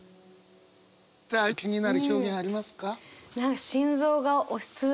さあ気になる表現ありますか？